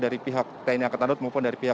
dari pihak tni angkatan laut maupun dari pihak